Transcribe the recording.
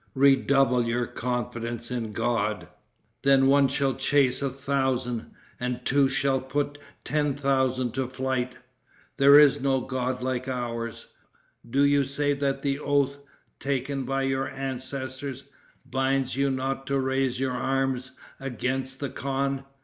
Redouble your confidence in God. Then one shall chase a thousand, and two shall put ten thousand to flight. There is no God like ours. Do you say that the oath, taken by your ancestors, binds you not to raise your arms against the khan?